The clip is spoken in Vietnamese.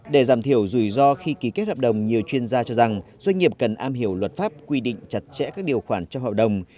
để giảm thiểu rủi ro khi ký kết hợp đồng nhiều chuyên gia cho rằng doanh nghiệp cần am hiểu luật pháp quy định chặt chẽ các điều khoản trong hợp đồng